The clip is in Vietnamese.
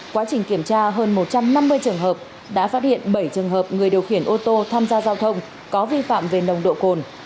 quá trình kiểm tra hơn một trăm năm mươi trường hợp đã phát hiện bảy trường hợp người điều khiển ô tô tham gia giao thông có vi phạm về nồng độ cồn